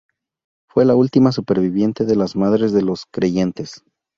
Fue la última superviviente de las Madres de los Creyentes.